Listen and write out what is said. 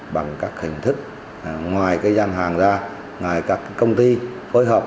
bằng các hình thức ngoài cái gian hàng ra ngoài các công ty phối hợp